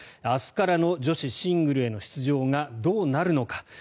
明日からの女子シングルへの出場がどうなるのか。